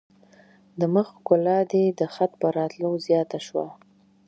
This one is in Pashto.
د مخ ښکلا دي د خط په راتلو زیاته شوه.